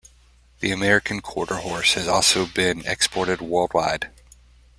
The American Quarter Horse has also been exported worldwide.